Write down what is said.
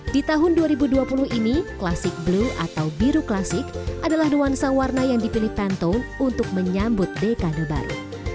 di tahun dua ribu dua puluh ini klasik blue atau biru klasik adalah nuansa warna yang dipilih pantun untuk menyambut dekade baru